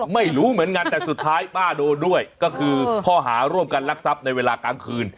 ไม่รู้เหมือนงั้นแต่สุดท้ายก็คือพอหาร่วมกันรักทรัพย์ในเวลากะคืน